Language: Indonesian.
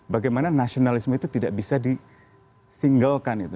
bagaimana nasionalisme itu tidak bisa disinggalkan